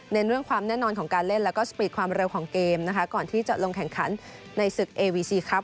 เรื่องความแน่นอนของการเล่นแล้วก็สปีดความเร็วของเกมนะคะก่อนที่จะลงแข่งขันในศึกเอวีซีครับ